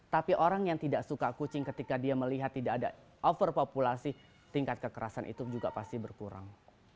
tapi orang yang tidak suka kucing ketika dia melihat tidak ada overpopulasi tingkat kekerasan itu juga pasti berkurang